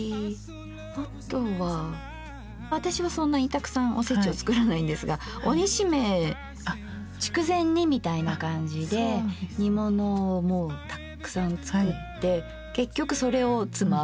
あとは私はそんなにたくさんおせちを作らないんですがお煮しめ筑前煮みたいな感じで煮物をもうたっくさん作って結局それをつまむ。